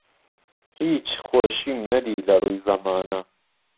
هیچ خۆشیم نهدی له رووی زهمانه